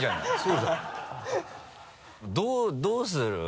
どうする？